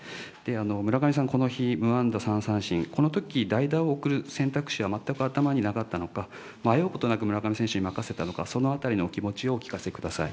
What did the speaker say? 村上さん、この日、無安打３三振、このとき代打を送る選択肢は全く頭になかったのか、迷うことなく村上選手に任せたのか、そのあたりのお気持ちをお聞かせください。